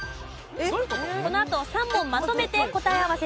このあと３問まとめて答え合わせです。